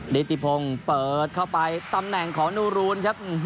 นิติพงศ์เปิดเข้าไปตำแหน่งของนูรูนครับ